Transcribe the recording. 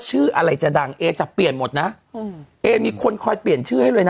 ชื่ออะไรจะดังเอจะเปลี่ยนหมดนะอืมเอมีคนคอยเปลี่ยนชื่อให้เลยนะ